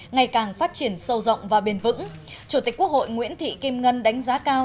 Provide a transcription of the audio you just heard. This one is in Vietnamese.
ngày càng phát triển sâu rộng và bền vững chủ tịch quốc hội nguyễn thị kim ngân đánh giá cao